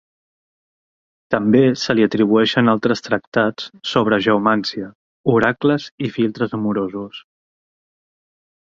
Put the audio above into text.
També se li atribueixen altres tractats sobre geomància, oracles i filtres amorosos.